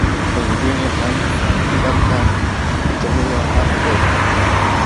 انجونې هم مکتب ته د تللو حق لري.